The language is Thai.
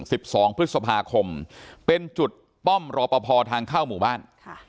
สิบสองพฤษภาคมเป็นจุดป้อมรอปภทางเข้าหมู่บ้านค่ะ